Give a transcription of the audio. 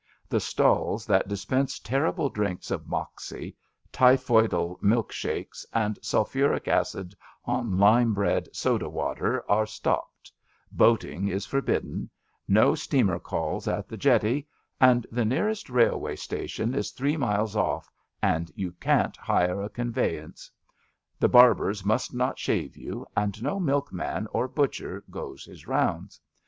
The stalls that dispense terrible drinks of Moxie, typhoidal milk shakes and sulphuric acid on lime bred soda water are stopped ; boating is forbidden; no steamer calls at the jetty, and the nearest railway station is 180 ABAFT THE FUNNEL three miles off, and you can^t hire a conveyance; the barbers must not shave you, and no milkman or butcher goes his rounds.